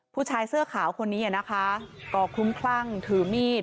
ผู้ชายเสื้อขาวคนนี้นะคะก็คลุ้มคลั่งถือมีด